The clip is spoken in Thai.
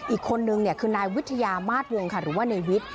อีกคนนึงเนี่ยคือนายวิทยามาสวงค์ค่ะหรือว่านายวิทย์